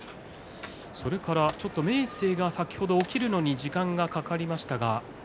明生が先ほど起きるのに時間がかかりましたが。